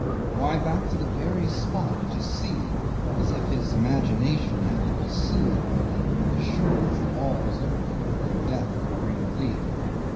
Why back to the very spot, to see as if his imagination had to be soothed by the assurance that all was over before death could bring relief?